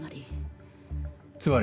つまり。